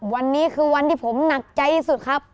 วันนี้คือวันที่ผมหนักใจสุดครับ